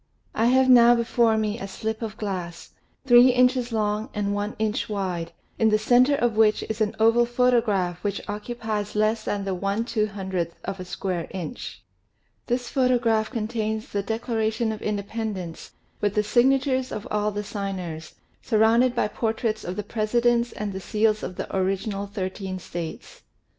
I have now before me a slip of glass, three inches long and one inch wide, in the center of which is an oval photograph which occupies less than the i 2OOth of a square inch. This photograph contains the Declaration of Independence with the signatures of all the signers, surrounded by portraits of the Presidents and the seals of the original thirteen States.